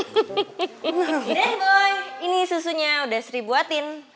gede nih boy ini susunya udah sri buatin